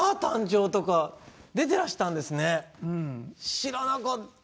知らなかった。